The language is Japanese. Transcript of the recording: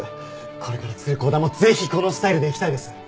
これから作る公団もぜひこのスタイルでいきたいです！